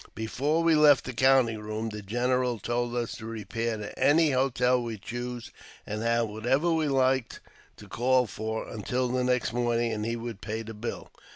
Before we left the counting room, the general told us to repair to any hotel we chose, and have whatever we liked to call for until the next morning, and he would pay the bill.